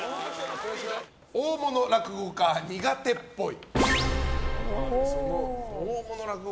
大物落語家苦手っぽい。△！